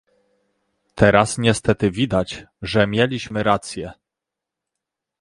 Teraz niestety widać, że mieliśmy rację